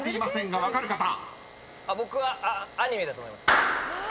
僕は「アニメ」だと思います。